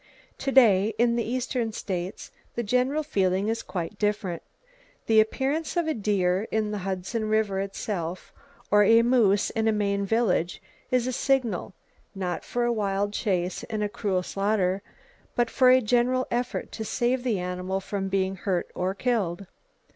Today, in the eastern states, the general feeling is quite different. The appearance of a deer in the Hudson River itself, or a moose in a Maine village is a signal, not for a wild chase and cruel slaughter, but for a general effort to save the animal from being hurt, or killed.